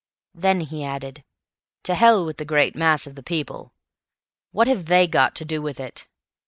Then he added: "To hell with the great mass of the people! What have they got to do with it?